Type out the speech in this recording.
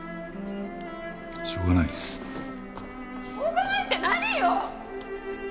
「しょうがない」って何よ！